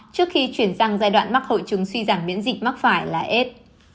trước khi chuyển sang giai đoạn mắc hội chứng suy giảm miễn dịch mắc phải là aids